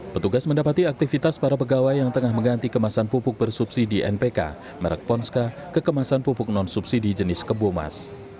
petugas mendapati aktivitas para pegawai yang tengah mengganti kemasan pupuk bersubsidi npk merek ponska ke kemasan pupuk non subsidi jenis kebomas